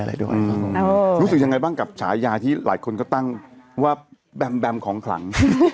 รู้สึกยังไงบ้างกับฉายาที่หลายคนก็ตั้งว่าแบมแบมของขลัง